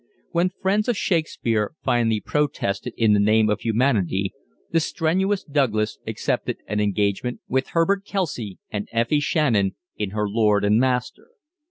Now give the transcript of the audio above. When friends of Shakespeare finally protested in the name of humanity, the strenuous Douglas accepted an engagement with Herbert Kelcey and Effie Shannon in "Her Lord and Master."